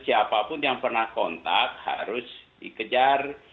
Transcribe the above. siapapun yang pernah kontak harus dikejar